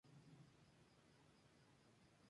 Fue la primera ópera que se representó allí en español.